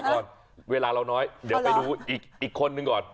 เวลาเราน้อยเดี๋ยวไปดูอีกคนนึงก่อน